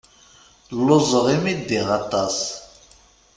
Luẓeɣ imi ddiɣ aṭas.